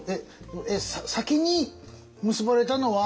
先に結ばれたのは。